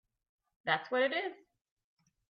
That’s what it is!